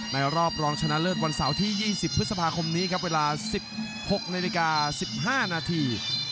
รอบรองชนะเลิศวันเสาร์ที่๒๐พฤษภาคมนี้ครับเวลา๑๖นาฬิกา๑๕นาที